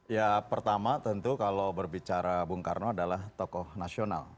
ya pertama tentu kalau berbicara bung karno adalah tokoh nasional